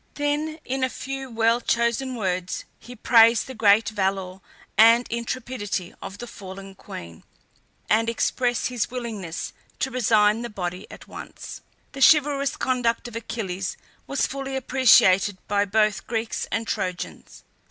Then in a few well chosen words he praised the great valour and intrepidity of the fallen queen, and expressed his willingness to resign the body at once. The chivalrous conduct of Achilles was fully appreciated by both Greeks and Trojans.